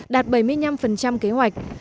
đạt bảy mươi năm kế hoạch